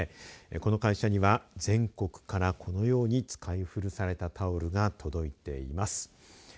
この会社には全国から古いタオルこのように使い古されたタオルが届いています。